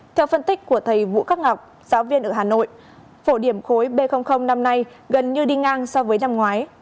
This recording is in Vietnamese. theo phân tích của thầy vũ các ngọc giáo viên ở hà nội phổ điểm khối b năm nay gần như đi ngang so với năm ngoái